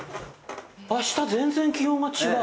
あっ、下、全然気温が違う！